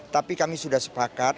tapi kami sudah sepakat